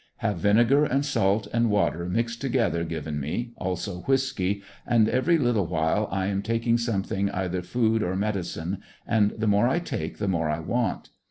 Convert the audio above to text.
Have vinegar and salt and water mixed together given me, also whiskey, and every little while I am taking something, either food or medicine, and the more I take the more I want.